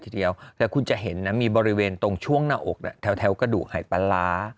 ทีเดียวแต่คุณจะเห็นนะมีบริเวณตรงช่วงหน้าอกแถวกระดูกหายปลาร้า